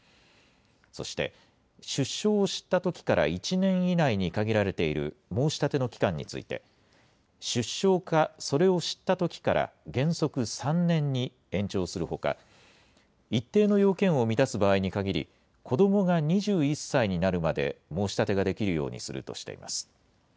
そして出生を知ったときから１年以内に限られている申し立ての期間について、出生か、それを知ったときから原則３年に延長するほか、一定の要件を満たす場合に限り、子どもが２１歳になるまで申し立てができるようにするとしています。